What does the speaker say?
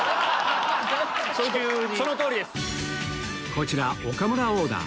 こちら岡村オーダー